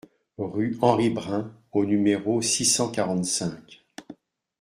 Rue Henry Brun au numéro six cent quarante-cinq